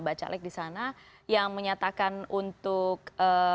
pak caleg di sana yang menyatakan untuk